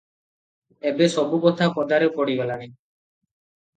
ଏବେ ସବୁ କଥା ପଦାରେ ପଡିଗଲାଣି ।